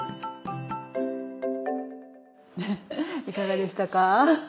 いかがでしたか？